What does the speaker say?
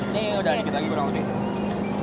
ini udah dikit lagi kurang lebih